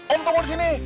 om tunggu disini